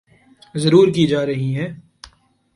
ضرور کی جارہی ہیں